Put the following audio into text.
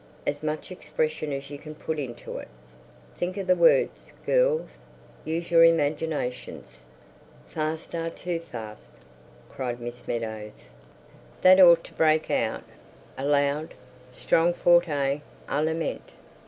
As much expression as you can put into it. Think of the words, girls. Use your imaginations. Fast! Ah, too Fast," cried Miss Meadows. "That ought to break out—a loud, strong forte—a lament.